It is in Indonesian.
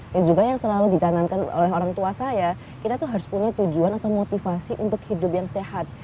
dan juga yang selalu ditanamkan oleh orang tua saya kita tuh harus punya tujuan atau motivasi untuk hidup yang sehat